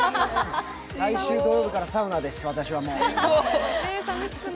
来週土曜からサウナです。